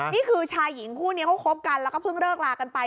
นี่คือชายหญิงคู่นี้เขาคบกันแล้วก็เพิ่งเลิกลากันไป